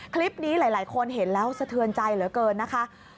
คลิปนี้หลายคนเห็นแล้วสะเทือนใจเหลือเกินนะคะ